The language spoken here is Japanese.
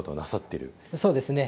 そうですね。